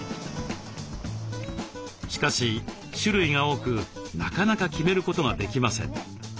しかし種類が多くなかなか決めることができません。